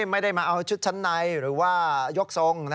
ไม่ได้มาเอาชุดชั้นในหรือว่ายกทรง